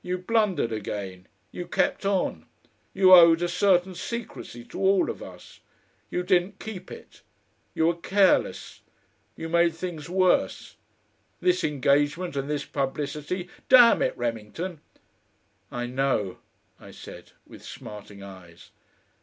You blundered again. You kept on. You owed a certain secrecy to all of us! You didn't keep it. You were careless. You made things worse. This engagement and this publicity! Damn it, Remington!" "I know," I said, with smarting eyes.